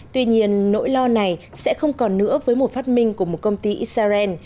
tuy nhiên nỗi lo này sẽ không còn nữa với một phát minh của một công ty israel